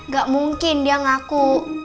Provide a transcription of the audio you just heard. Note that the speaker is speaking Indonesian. gak mungkin dia ngaku